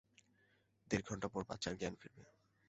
দেড় ঘন্টা পর বাচ্চার জ্ঞান ফিরবে।